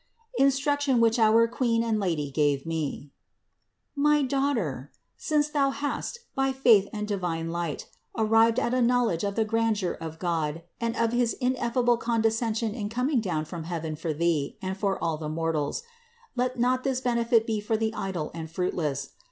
INSTRUCTION WHICH OUR QUEEN AND LADY GAVE ME. 155. My daughter, since thou hast, by faith and divine light, arrived at a knowledge of the grandeur of God and of his ineffable condescension in coming down from heaven for thee and for all the mortals, let not this benefit be for the idle and fruitless.